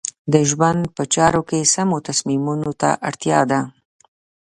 د ژوند په چارو کې سمو تصمیمونو ته اړتیا ده.